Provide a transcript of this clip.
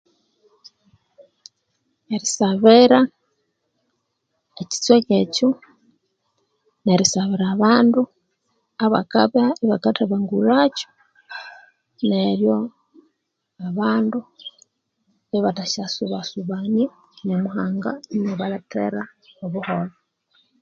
Erisabira ekitseka ekyo nerisabira abandu abakathabangulha kyo neryo abandu ibathasya subasubania nyamuhanga iniabalethera obuholho